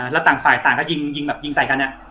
แล้วต่างฝ่ายต่างก็ยิงใส่กัน